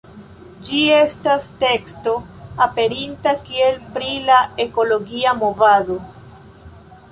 Ĝi estas teksto aperinta kiel “Pri la ekologia movado.